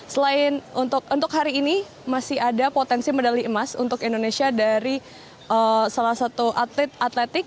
selain untuk hari ini masih ada potensi medali emas untuk indonesia dari salah satu atlet atletik